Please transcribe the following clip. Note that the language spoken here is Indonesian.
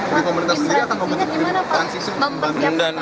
jadi pemerintah sendiri atau pemerintah transisi